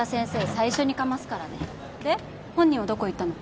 最初にカマすからねで本人はどこ行ったの？